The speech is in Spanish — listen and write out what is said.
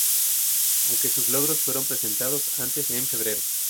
Aunque sus logos fueron presentados antes en febrero.